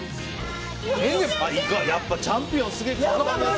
やっぱりチャンピオンすげえな。